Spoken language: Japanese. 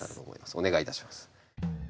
お願いいたします。